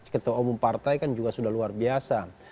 ketua umum partai kan juga sudah luar biasa